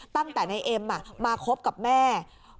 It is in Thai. ตั้งแต่นายเอ็มมาคบกับแม่